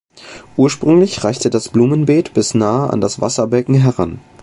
Ursprünglich reichte das Blumenbeet bis nahe an das Wasserbecken heran.